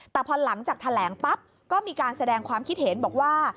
แต่พอหลังจากแถลงปั๊บก็มีการแสดงความคิดเห็นบอกว่า